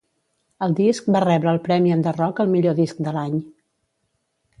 El disc va rebre el premi Enderroc al millor disc de l'any.